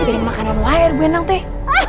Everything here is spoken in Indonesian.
mikirin makanan lu air bu endang teh